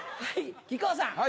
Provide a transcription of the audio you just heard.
はい。